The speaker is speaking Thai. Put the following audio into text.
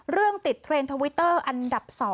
เรื่องติดเทรนด์ทวิตเตอร์อันดับ๒